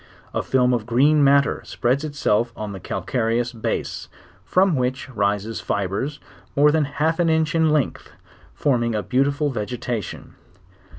A film of Green matter spreads itself on the calcareous. base, from which rises fibres more than half an inch in length, forming a beautiful vegetation..